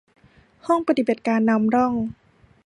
ห้องปฏิบัติการนำร่อง